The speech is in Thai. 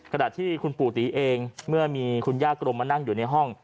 ขณะที่คุณปู่ตีเองเมื่อมีคุณย่ากรมมานั่งอยู่ในห้อง